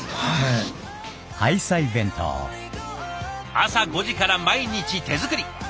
朝５時から毎日手作り。